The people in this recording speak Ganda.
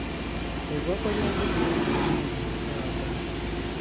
Eggwako ly'embuzi limala emyezi mukaaga.